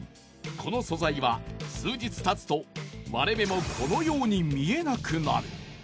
この素材は数日たつと割れ目もこのように見えなくなる。